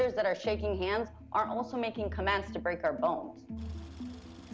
pastikan pemimpin yang berpala tangan tidak juga membuat perintah untuk memukul tubuh kami